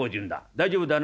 大丈夫だな？